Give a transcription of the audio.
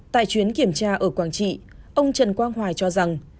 tại chuyến kiểm tra ở quảng trị ông trần quang hoài cho rằng